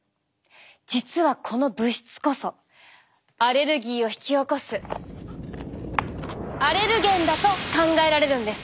実はこの物質こそアレルギーを引き起こすアレルゲンだと考えられるんです。